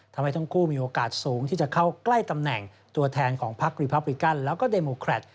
ทำให้ทั้งคู่มีโอกาสสูงที่จะเข้าใกล้ตำแหน่งตัวแทนของพักรีพับริกันแล้วก็เดโมแครต